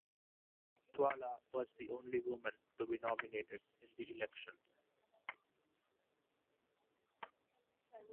Twala was the only woman to be nominated in the election.